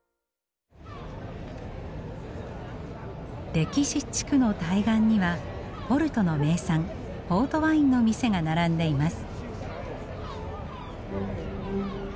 歴史地区の対岸にはポルトの名産ポートワインの店が並んでいます。